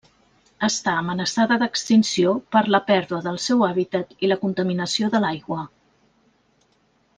Està amenaçada d'extinció per la pèrdua del seu hàbitat i la contaminació de l'aigua.